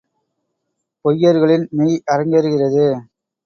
பொய்யர்களின் மெய் அரங்கேறுகிறது.